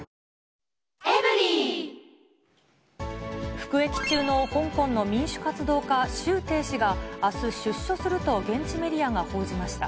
服役中の香港の民主活動家、周庭氏があす、出所すると現地メディアが報じました。